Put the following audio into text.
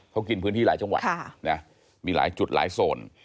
เขากินพื้นที่หลายจังหวัดมีหลายจุดหลายโซน